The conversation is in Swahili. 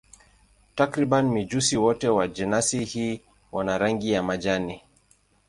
Takriban mijusi wote wa jenasi hii wana rangi ya majani.